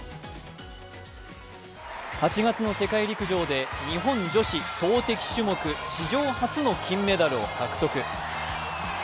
８月の世界陸上で日本女子投てき種目史上初の金メダルを獲得。